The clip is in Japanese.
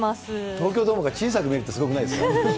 東京ドームが小さく見えるってすごくないですか。